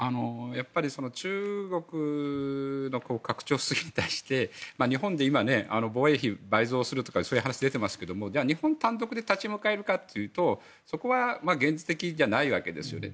中国の拡張主義に対して日本で今、防衛費倍増するとかそういう話が出ていますが日本単独で立ち向かえるかと言ったら現実的じゃないわけですよね。